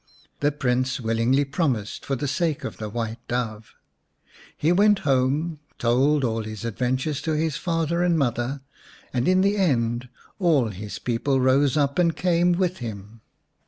The Prince willingly promised for the sake of the White Dove. He went home, told all his 249 The White Dove xx adventures to his father and mother, and in the end all his people rose up and came with him.